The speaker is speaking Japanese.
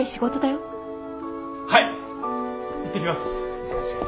いってらっしゃい。